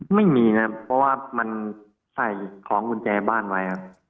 ไม่มีนะเพราะว่ามันใส่ของกุญแจบ้านไว้ครับ